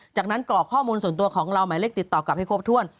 จากนั้นกรอกข้อมูลส่วนตัวของเราหมายเลขติดต่อกลับให้ครบถ้วน